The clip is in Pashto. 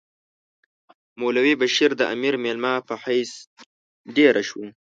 مولوی بشیر د امیر مېلمه په حیث دېره شو.